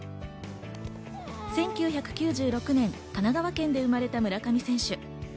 １９９６年、神奈川県で生まれた村上選手。